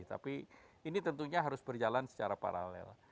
tapi ini tentunya harus berjalan secara paralel